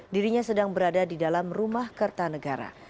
dirinya sedang berada di dalam rumah kertanegara